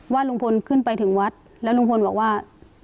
ลุงพลขึ้นไปถึงวัดแล้วลุงพลบอกว่า